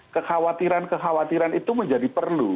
kekhawatiran kekhawatiran itu menjadi perlu